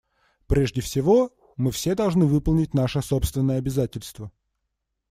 Прежде всего, мы все должны выполнить наши собственные обязательства.